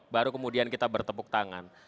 baru kemudian kita bertepuk tangan